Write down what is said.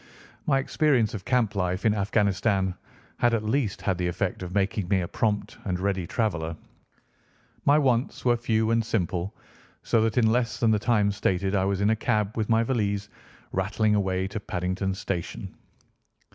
My experience of camp life in Afghanistan had at least had the effect of making me a prompt and ready traveller. My wants were few and simple, so that in less than the time stated I was in a cab with my valise, rattling away to Paddington Station.